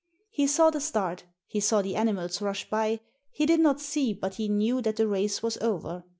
He saw the start, he saw the animals rush by, he did not see but he knew that the race was over.